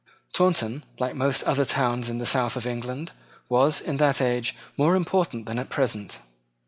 Taunton, like most other towns in the south of England, was, in that age, more important than at present.